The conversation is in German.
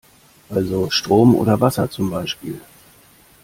Also Strom oder Wasser zum Beispiel?